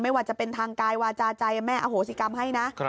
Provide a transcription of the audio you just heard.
ว่าจะเป็นทางกายวาจาใจแม่อโหสิกรรมให้นะ